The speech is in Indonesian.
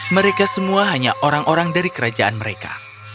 mereka semua hanya orang orang dari kerajaan mereka